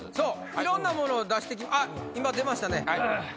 いろんなものを出してあっ今出ましたね。